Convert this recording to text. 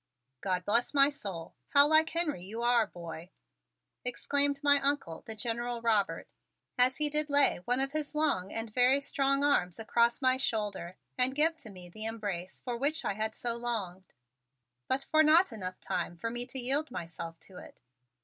"God bless my soul, how like Henry you are, boy!" exclaimed my Uncle, the General Robert, and he did lay one of his long and very strong arms across my shoulder and give to me the embrace for which I had so longed; but for not enough time for me to yield myself to it.